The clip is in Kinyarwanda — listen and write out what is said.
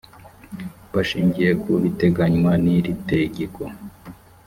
bashingiye ku biteganywa n iri tegeko